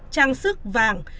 trang sức vàng